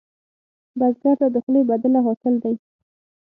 بزګر ته د خولې بدله حاصل دی